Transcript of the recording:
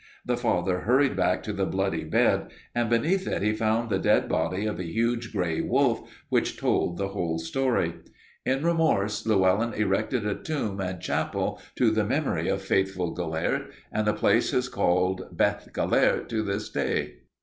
The father hurried back to the bloody bed, and beneath it he found the dead body of a huge gray wolf which told the whole story. In remorse Llewelyn erected a tomb and chapel to the memory of faithful Gelert and the place is called Beth Gelert to this day."